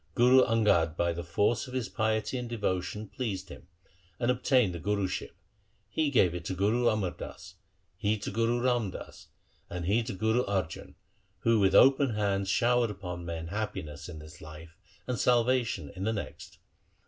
Guru Angad by the force of his piety and devotion pleased him, and obtained the Guruship. He gave it to Guru Amar Das, he to Guru Ram Das, and he to Guru Arjan who with open hands showered upon men happiness in this life and salvation in the next.